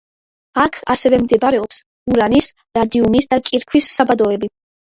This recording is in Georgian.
აქ ასევე მდებარეობენ ურანის, რადიუმის და კირქვის საბადოები.